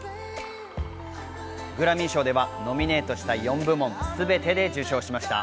グラミー賞ではノミネートした４部門すべてで受賞しました。